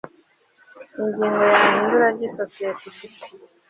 ingingo ya ihindura ry isosiyete ifite